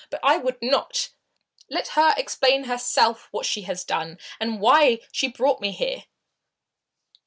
But I would not. Let her explain, herself, what she has done, and why she brought me here!"